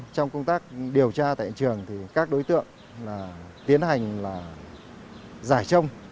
trong công tác điều tra tại trường thì các đối tượng tiến hành là giải trông